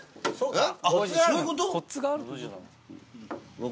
えっ？